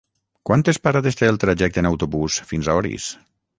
Quantes parades té el trajecte en autobús fins a Orís?